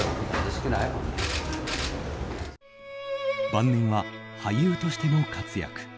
晩年は、俳優としても活躍。